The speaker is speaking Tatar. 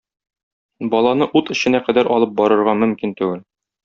Баланы ут эченә кадәр алып барырга мөмкин түгел.